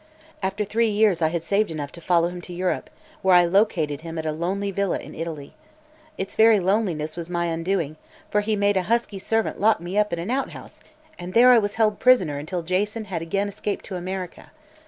"After three years I had saved enough to follow him to Europe, where I located him at a lonely villa in Italy. Its very loneliness was my undoing, for he made a husky servant lock me up in an outhouse and there I was held a prisoner until Jason had again escaped to America.